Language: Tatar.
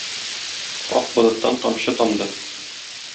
Ак болыттан тамчы тамды